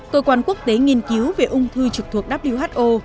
tổ quản quốc tế nghiên cứu về ung thư trực thuộc who